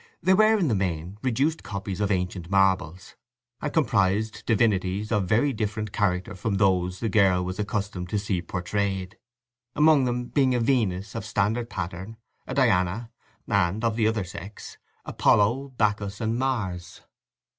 They were in the main reduced copies of ancient marbles, and comprised divinities of a very different character from those the girl was accustomed to see portrayed, among them being a Venus of standard pattern, a Diana, and, of the other sex, Apollo, Bacchus, and Mars.